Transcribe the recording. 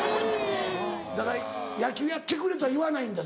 だから「野球やってくれ」とは言わないんだ？